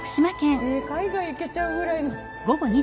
え海外行けちゃうぐらいの。